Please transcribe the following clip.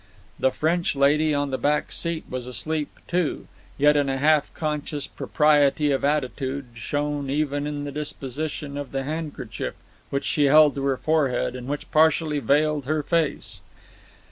The French lady on the back seat was asleep, too, yet in a half conscious propriety of attitude, shown even in the disposition of the handkerchief which she held to her forehead and which partially veiled her face.